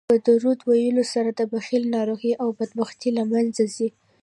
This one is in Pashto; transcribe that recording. په درود ویلو سره د بخل ناروغي او بدخويي له منځه ځي